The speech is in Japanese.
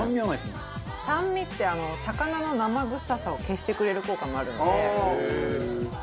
酸味って魚の生臭さを消してくれる効果があるので。